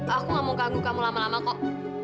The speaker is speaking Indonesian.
aku gak mau ganggu kamu lama lama kok